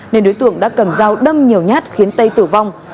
nên đối tượng đã cầm dao đâm nhiều nhát khiến tây tử vong